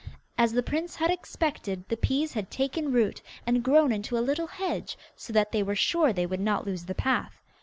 As the prince had expected the peas had taken root, and grown into a little hedge, so that they were sure they would not lose the path.